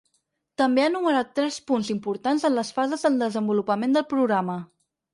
També ha enumerat tres punts importants en les fases del desenvolupament del programa.